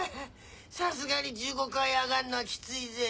さすがに１５階上がんのはキツいぜ。